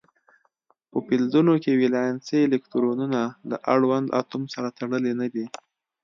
په فلزونو کې ولانسي الکترونونه له اړوند اتوم سره تړلي نه وي.